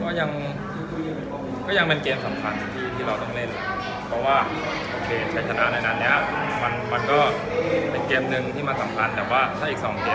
ด้วยครับก็ยังเป็นเกมสำคัญที่เราต้องเล่นนะเปรอะว่าเกมชัยชนะในนั้นมันก็บ้างแต่เราก็ทำได้ไม่ดี